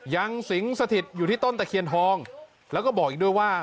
สิงสถิตอยู่ที่ต้นตะเคียนทองแล้วก็บอกอีกด้วยว่า